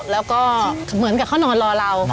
แล้วก็เหมือนกับเขานอนรอเรา